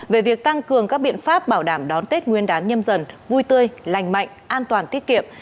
về việc tăng cường các biện pháp bảo đảm đón tết nguyên đán nhâm dần vui tươi lành mạnh an toàn tiết kiệm